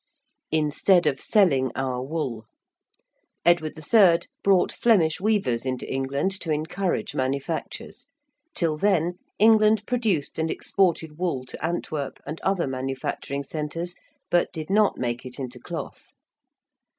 ~instead of selling our wool~: Edward III. brought Flemish weavers into England to encourage manufactures. Till then England produced and exported wool to Antwerp and other manufacturing centres, but did not make it into cloth.